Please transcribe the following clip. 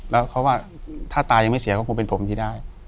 แล้วเขาว่าถ้าตายังไม่เสียก็คงเป็นผมที่ได้